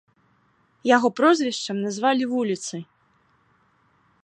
Яго прозвішчам назвалі вуліцы.